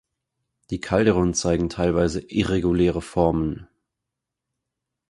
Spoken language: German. Die Calderon zeigen teilweise irreguläre Formen.